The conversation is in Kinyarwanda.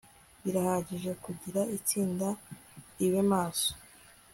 birahagije kugirango itsinda ribe maso